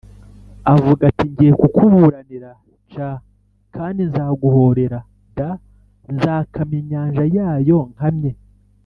Avuga ati ngiye kukuburanira c kandi nzaguhorera d nzakamya inyanja yayo nkamye